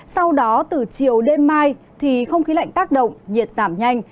sau đó từ chiều đêm mai thì không khí lạnh tác động nhiệt giảm nhanh